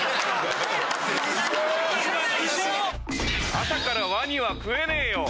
朝からワニは食えねえよ。